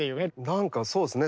なんかそうですね